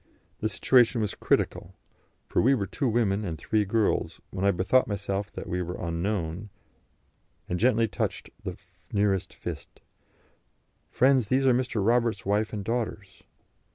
The situation was critical, for we were two women and three girls, when I bethought myself that we were unknown, and gently touched the nearest fist: "Friends, these are Mr. Roberts' wife and daughters."